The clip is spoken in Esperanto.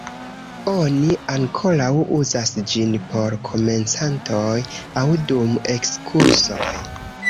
Oni ankoraŭ uzas ĝin por komencantoj aŭ dum ekskursoj.